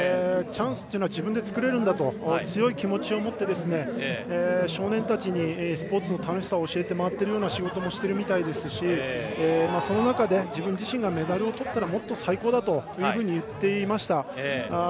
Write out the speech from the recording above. チャンスというのは自分で作れると強い気持ちを持って少年たちにスポーツの楽しさを教えて回っているような仕事もしているみたいですしその中で、自分自身がメダルをとったらもっと最高だと言っていました。